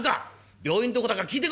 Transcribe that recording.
病院どこだか聞いてこ！」。